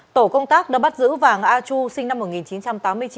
tổ công tác đã bắt giữ vàng a chu sinh năm một nghìn chín trăm tám mươi chín